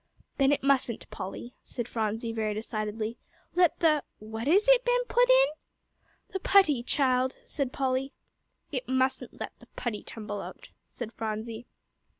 "Then it mustn't, Polly," said Phronsie, very decidedly, "let the What is it Ben put in?" "The putty, child," said Polly. "It mustn't let the putty tumble out," said Phronsie.